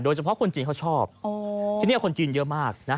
คนจีนเขาชอบที่นี่คนจีนเยอะมากนะ